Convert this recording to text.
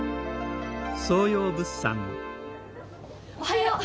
おはよう！